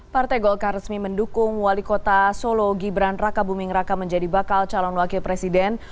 partai golkar resmi mendukung wali kota solo gibran raka buming raka menjadi bakal calon wakil presiden